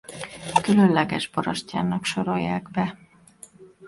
Különleges borostyánnak sorolják be.